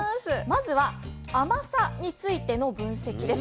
まずは甘さについての分析です。